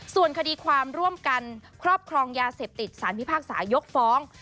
ส่วนคดีความร่วมกันครอบครองยาเสพติดสารพิพากษายกฟ้อง